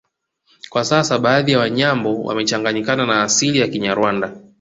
Kwa sasa baadhi ya Wanyambo wamechanganyikana na asili ya Kinyarwanda